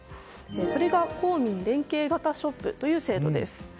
それが公民連携型ショップという制度です。